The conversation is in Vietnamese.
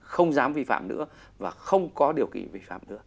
không dám vi phạm nữa và không có điều kỳ vi phạm nữa